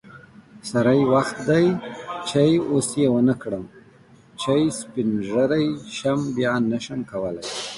سری وخت دی چی اوس یی ونکړم چی سپین ږیری شم بیا نشم کولی